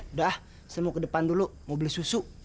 udah seno ke depan dulu mau beli susu